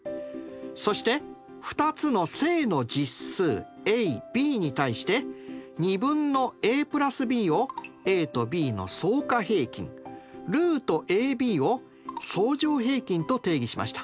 そして２つの正の実数ａｂに対して２分のａ＋ｂをａとｂの相加平均ルートａｂを相乗平均と定義しました。